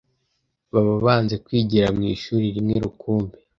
baba banze kwigira mu ishuri rimwe rukumbi